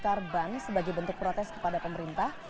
membakar ban sebagai bentuk protes kepada pemerintah